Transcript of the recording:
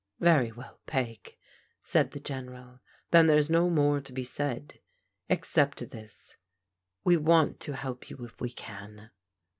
" Very well, Peg," said the General, " then there's no more to be said. Except this :— ^we want to help you if we can."